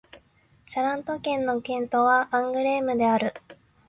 シャラント県の県都はアングレームである